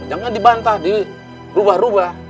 jangan dibantah dirubah rubah